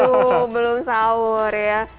waduh belum sahur ya